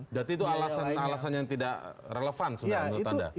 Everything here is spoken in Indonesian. jadi itu alasan alasan yang tidak relevan sebenarnya menurut anda